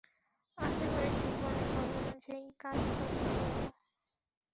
আশা করি জীবনে তদনুযায়ী কাজ করতে পারব।